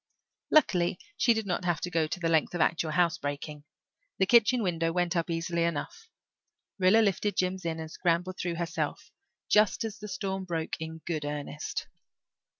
Luckily she did not have to go to the length of actual housebreaking. The kitchen window went up quite easily. Rilla lifted Jims in and scrambled through herself, just as the storm broke in good earnest.